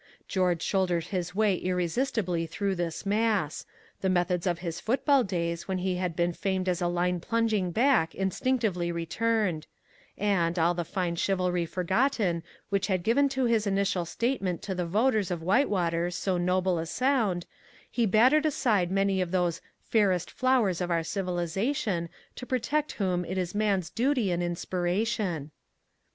George shouldered his way irresistibly through this mass; the methods of his football days when he had been famed as a line plunging back instinctively returned and, all the fine chivalry forgotten which had given to his initial statement to the voters of Whitewater so noble a sound, he battered aside many of those "fairest flowers of our civilization, to protect whom it is man's duty and inspiration."